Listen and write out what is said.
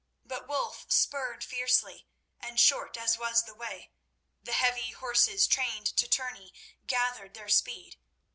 But Wulf spurred fiercely, and, short as was the way, the heavy horses, trained to tourney, gathered their speed.